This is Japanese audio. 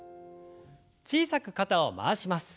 小さく肩を回します。